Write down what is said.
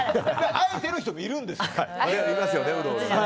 あえての人もいるんですよ。